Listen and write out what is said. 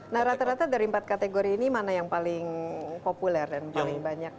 nah rata rata dari empat kategori ini mana yang paling populer dan paling banyak